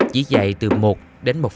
chỉ dày từ một đến một hai cm